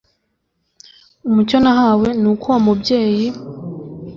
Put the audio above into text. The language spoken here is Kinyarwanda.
Umucyo nahawe ni uko uwo mubyeyi